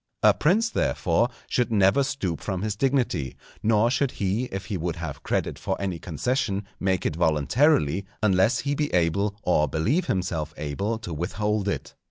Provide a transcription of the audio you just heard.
A prince, therefore, should never stoop from his dignity, nor should he if he would have credit for any concession make it voluntarily, unless he be able or believe himself able to withhold it.